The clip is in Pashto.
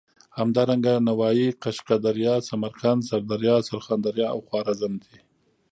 همدارنګه نوايي، قشقه دریا، سمرقند، سردریا، سرخان دریا او خوارزم دي.